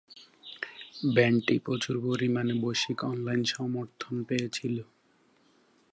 ব্যান্ডটি প্রচুর পরিমাণে বৈশ্বিক অনলাইন সমর্থন পেয়েছিল।